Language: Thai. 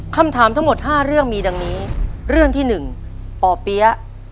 คำถามทั้งหมด๕เรื่องมีดังนี้เรื่องที่๑ป่อเปี๊ยะ